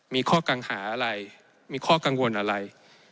มีข้อกังหาอะไรมีข้อกังวลอะไร